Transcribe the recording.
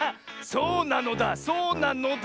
そうなのだそうなのだ！